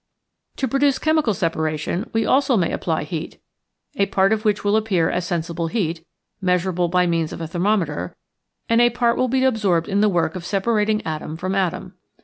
To produce chemical separation we also may apply heat, a part of which will appear as sensible heat, measurable by means of a ther mometer, and a part will be absorbed in the work of separating atom from atom.